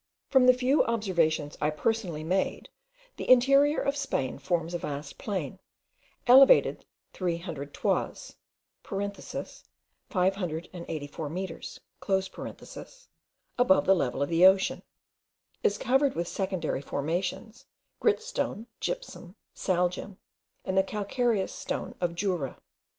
From the few observations I personally made, the interior of Spain forms a vast plain, elevated three hundred toises (five hundred and eighty four metres) above the level of the ocean, is covered with secondary formations, grit stone, gypsum, sal gem, and the calcareous stone of Jura.